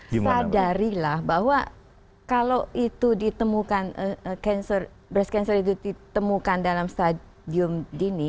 sadarilah bahwa kalau itu ditemukan brass cancel itu ditemukan dalam stadium dini